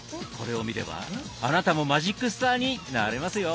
これを見ればあなたもマジックスターになれますよ。